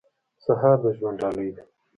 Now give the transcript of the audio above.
سهار د ژوند ډالۍ ده.